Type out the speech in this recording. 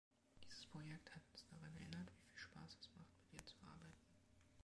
Dieses Projekt hat uns daran erinnert, wie viel Spaß es macht, mit ihr zu arbeiten.